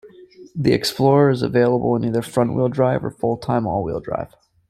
The Explorer is available in either front-wheel drive or full-time all-wheel drive.